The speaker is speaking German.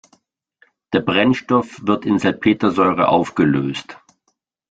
Der Brennstoff wird in Salpetersäure aufgelöst.